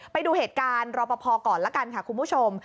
ไปดูเหตุการณ์รอปภก่อนละกันค่ะคุณผู้ชม